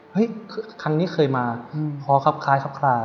ครั้งนี้เคยมาพอครับคล้ายครับคลา